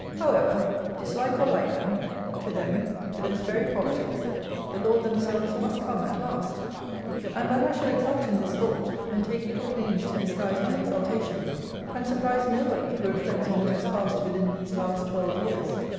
However, dislike or like them, to them, to those very politics, the Lords themselves must come at last. And that I should exult in this thought, and take little pains to disguise my exultation, can surprise nobody who reflects on what has passed within these last twelve years.